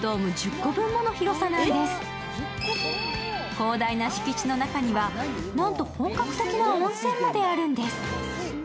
広大な敷地の中にはなんと、本格的な温泉まであるんです。